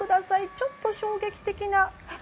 ちょっと衝撃的な。